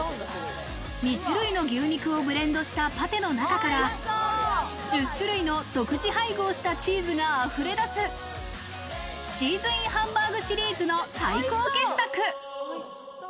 ２種類の牛肉をブレンドしたパテの中から、１０種類の独自配合したチーズが溢れ出す、チーズＩＮハンバーグシリーズの最高傑作。